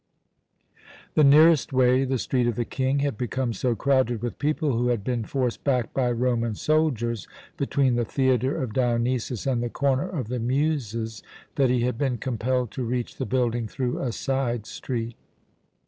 The nearest way, the Street of the King, had become so crowded with people who had been forced back by Roman soldiers, between the Theatre of Dionysus and the Corner of the Muses, that he had been compelled to reach the building through a side street.